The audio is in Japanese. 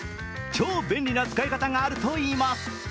超便利な使い方があるといいます。